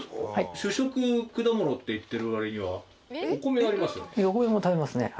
主食果物って言ってる割にはお米がありますよね。